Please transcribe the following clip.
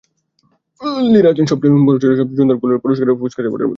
লিরা আছেন বছরের সবচেয়ে সুন্দর গোলের পুরস্কার পুসকাস অ্যাওয়ার্ডের মনোনীতদের তালিকায়।